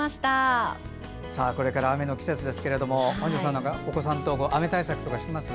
これから雨の季節ですけど本庄さんはお子さんと雨対策とかしてます？